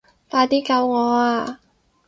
快啲救我啊